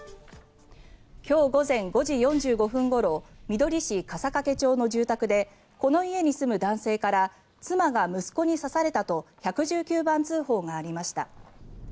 今日午前５時４５分ごろみどり市笠懸町の住宅でこの家に住む男性から妻が息子に刺されたと１１９番通報がありました。